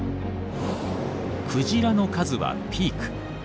クジラの数はピーク。